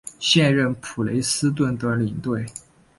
现任普雷斯顿的领队。